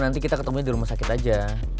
nanti kita ketemunya di rumah sakit aja